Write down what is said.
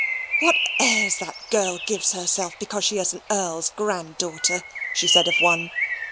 "What airs that girl gives herself, because she is an Earl's grand daughter," she said of one.